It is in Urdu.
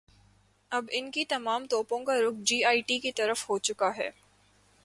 اب ان کی تمام توپوں کا رخ جے آئی ٹی کی طرف ہوچکا ہے۔